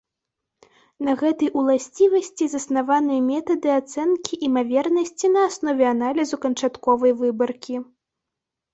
На гэтай уласцівасці заснаваныя метады ацэнкі імавернасці на аснове аналізу канчатковай выбаркі.